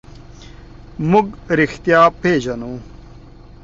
موږ رښتیا پېژنو.